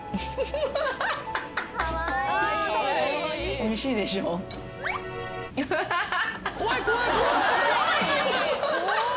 おいしいでしょ？ハハハ。